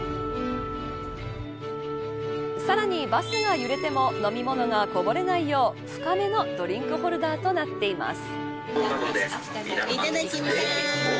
さらにバスが揺れても飲み物がこぼれないよう深めのドリンクホルダーとなっています。